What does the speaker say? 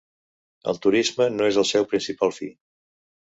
El turisme no és el seu principal fi.